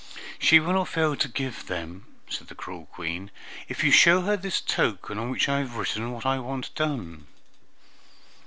"She will not fail to give them," said the cruel Queen, "if you show her this token on which I have written what I want done."